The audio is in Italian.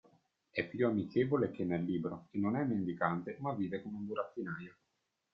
È più amichevole che nel libro e non è mendicante ma vive come burattinaio.